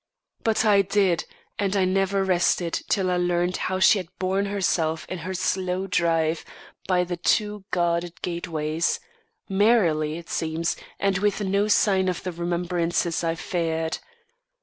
But I did, and I never rested till I learned how she had borne herself in her slow drive by the two guarded gateways: merrily, it seems, and with no sign of the remembrances I feared.